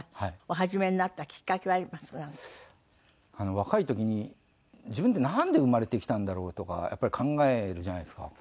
若い時に自分ってなんで生まれてきたんだろう？とかやっぱり考えるじゃないですか。